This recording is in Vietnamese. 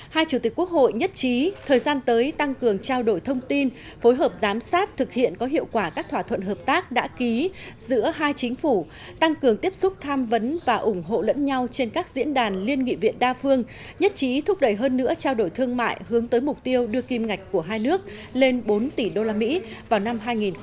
hai chủ tịch quốc hội nhất trí thời gian tới tăng cường trao đổi thông tin phối hợp giám sát thực hiện có hiệu quả các thỏa thuận hợp tác đã ký giữa hai chính phủ tăng cường tiếp xúc tham vấn và ủng hộ lẫn nhau trên các diễn đàn liên nghị viện đa phương nhất trí thúc đẩy hơn nữa trao đổi thương mại hướng tới mục tiêu đưa kim ngạch của hai nước lên bốn tỷ usd vào năm hai nghìn hai mươi